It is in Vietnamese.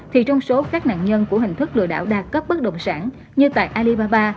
thì trong số các nạn nhân của hình thức lừa đảo đa cấp bất động sản như tại alibaba